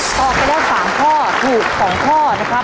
ต่อก็ได้๓ข้อถูก๒ข้อนะครับ